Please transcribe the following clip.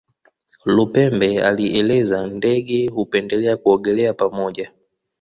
Lupembe alieleza Ndege hupendelea kuogelea pamoja